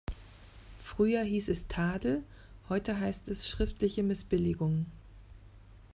Früher hieß es Tadel, heute heißt es schriftliche Missbilligung.